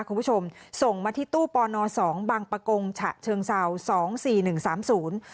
คุณผู้ชมส่งมาที่ตู้ปอนอสองบังปะกงฉะเชิงเศร้าสองสี่หนึ่งสามศูนย์